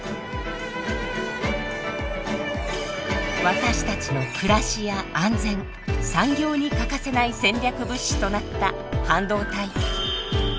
私たちの暮らしや安全産業に欠かせない戦略物資となった半導体。